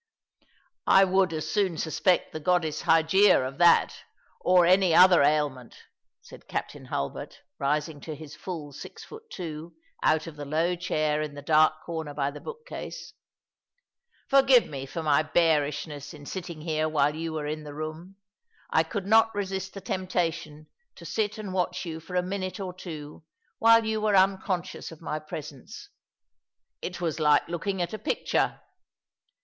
" I would as soon suspect the goddess Hygeia of that, or any other ailment," said Captain Hulbert, rising to his full six feet two, out of the low chair in the dark corner by the boDkcase. " Forgive me for my bearishness in sitting hero while you were in the room. I could not resist the tempta tion to sit and watch you for a minute or two while you were unconscious of my presence. It was like looking at a picture.